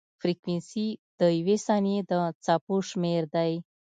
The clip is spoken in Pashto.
فریکونسي د یوې ثانیې د څپو شمېر دی.